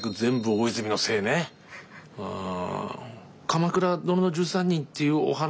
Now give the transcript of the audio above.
「鎌倉殿の１３人」っていうお話